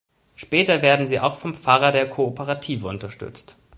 Später werden sie auch vom Pfarrer der Kooperative unterstützt.